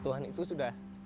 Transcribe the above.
tuhan itu seperti ini